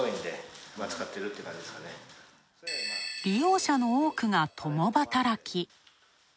利用者の多くが共働き。